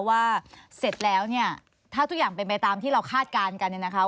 ว่าเสร็จแล้วถ้าทุกอย่างเป็นไปตามที่เราคาดการณ์กันนะคะ